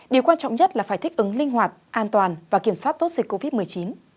điều quan trọng nhất là phải thích ứng linh hoạt an toàn và kiểm soát tốt dịch covid một mươi chín